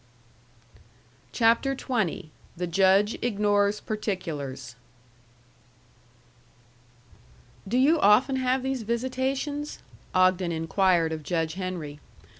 THE JUDGE IGNORES PARTICULARS "Do you often have these visitations?" Ogden inquired of Judge Henry.